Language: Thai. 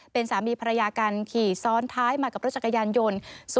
เป็นสามีภรรยากันขี่ซ้อนท้ายมากับรถจักรยานยนต์